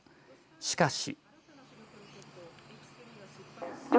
しかし。